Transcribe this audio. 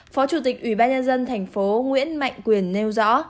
phó chủ tịch ủy ban nhân dân thành phố nguyễn mạnh quyền nêu rõ